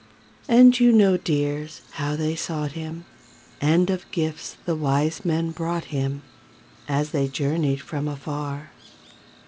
"And you know, dears, how they sought Him, And of gifts the wise men brought Him, As they journeyed from afar.